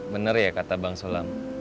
bener ya kata bang solam